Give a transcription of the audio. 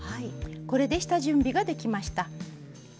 これで下準備ができました。